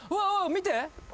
見て！